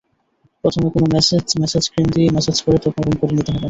প্রথমে কোনো massage cream দিয়ে ম্যাসাজ করে ত্বক নরম নিতে হবে।